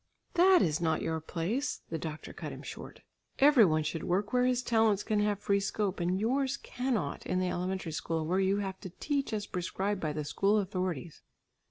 "That is not your place!" the doctor cut him short. "Every one should work where his talents can have free scope, and yours cannot in the elementary school, where you have to teach, as prescribed by the school authorities."